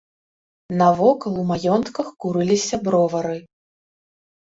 Навокал у маёнтках курыліся бровары.